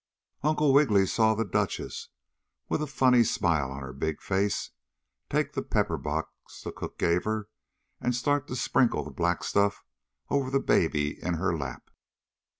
Uncle Wiggily saw the duchess, with a funny smile on her big face, take the pepper box the cook gave her and start to sprinkle the black stuff over the baby in her lap.